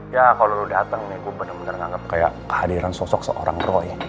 ya kalau lo datang nih gue bener bener anggap kayak kehadiran sosok seorang roy